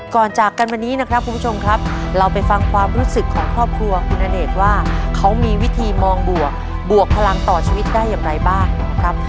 จากกันวันนี้นะครับคุณผู้ชมครับเราไปฟังความรู้สึกของครอบครัวคุณอเนกว่าเขามีวิธีมองบวกบวกพลังต่อชีวิตได้อย่างไรบ้างนะครับ